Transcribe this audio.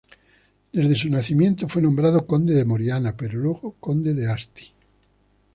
Desde su nacimiento fue nombrado Conde de Moriana, pero luego Conde de Asti.